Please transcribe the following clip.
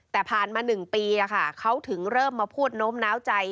แต่ผ่านมา๑ปีเขาถึงเริ่มมาพูดโน้มน้าวใจ